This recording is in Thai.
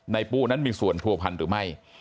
นายปู้นั้นมีส่วนทัวพลันหรือไม่